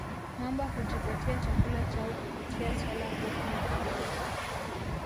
mamba hujipatia chakula chao kupitia swala pofu na paa